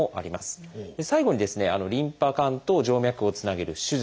最後にリンパ管と静脈をつなげる手術。